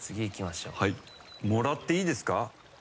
もらっていいですか。